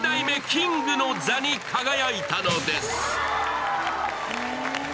キングの座に輝いたのです。